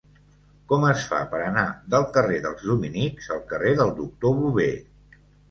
Com es fa per anar del carrer dels Dominics al carrer del Doctor Bové?